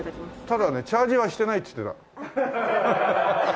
ただねチャージはしてないって言ってた。